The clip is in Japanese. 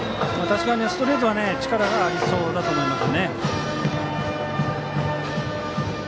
確かにストレートは力がありそうだと思います。